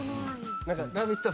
「ラヴィット！」